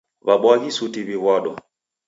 W'abwaghi suti w'iw'ado.